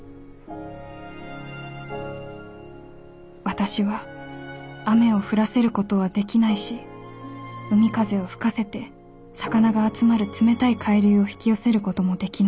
「私は雨を降らせることはできないし海風を吹かせて魚が集まる冷たい海流を引き寄せることもできない。